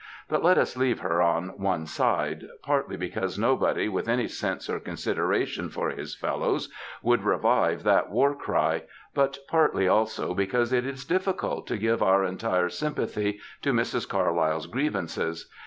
But let us leave her on one side ; partly because nobody with any sense or consideration for his fellows would revive that war cry, but partly, also, because it is difficult to give our entire sympathy to Mrs. Carlyle'^s grievances.